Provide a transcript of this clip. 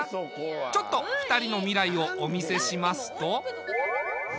ちょっと２人の未来をお見せしますと。